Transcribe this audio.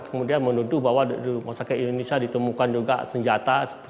kemudian menuduh bahwa di rumah sakit indonesia ditemukan juga senjata